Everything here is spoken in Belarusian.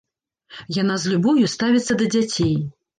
Яна з любоўю ставіцца да дзяцей.